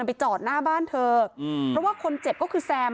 ไปจอดหน้าบ้านเธออืมเพราะว่าคนเจ็บก็คือแซม